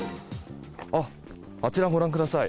あちら、ご覧ください。